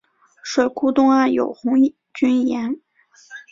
水库东岸有红军岩。